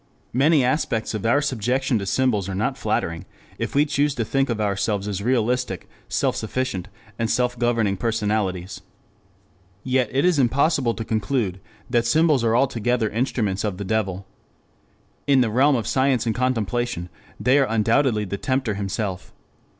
Many aspects of our subjection to symbols are not flattering if we choose to think of ourselves as realistic, self sufficient, and self governing personalities. Yet it is impossible to conclude that symbols are altogether instruments of the devil. In the realm of science and contemplation they are undoubtedly the tempter himself.